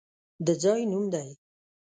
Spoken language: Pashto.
د ځای نوم دی!